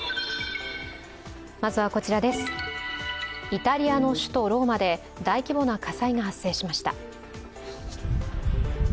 イタリアの首都ローマで大規模な火災が発生しました。